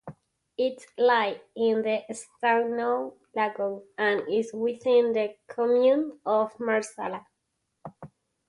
It lies in the Stagnone Lagoon, and is within the "comune" of Marsala.